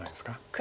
黒